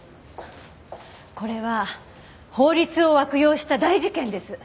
これは法律を悪用した大事件です。